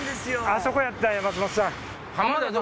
あそこやったんや。